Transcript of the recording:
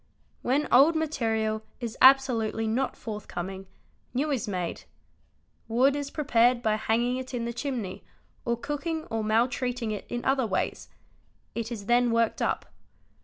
When old material is absolutely not forthcoming, new is made: wood is prepared by hanging it in the chimney or cooking or maltreating it in other ways; it is then worked up.